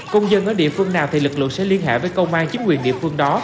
công dân ở địa phương nào thì lực lượng sẽ liên hệ với công an chính quyền địa phương đó